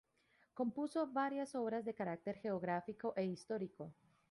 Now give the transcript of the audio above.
Compuso varias obras de carácter geográfico e histórico.